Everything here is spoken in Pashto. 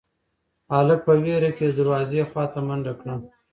هلک په وېره کې د دروازې خواته منډه کړه.